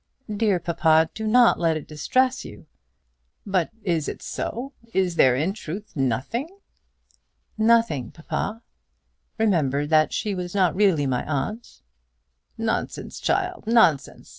"Dear papa, do not let this distress you." "But is it so? Is there in truth nothing?" "Nothing, papa. Remember that she was not really my aunt." "Nonsense, child; nonsense!